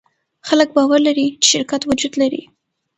خلک باور لري، چې شرکت وجود لري.